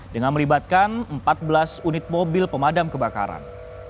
dengan melibatkan empat belas unit mobil pemadam kebakaran